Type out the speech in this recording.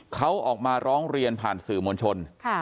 เขาออกมาร้องเรียนผ่านสื่อมวลชน